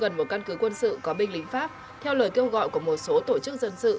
gần một căn cứ quân sự có binh lính pháp theo lời kêu gọi của một số tổ chức dân sự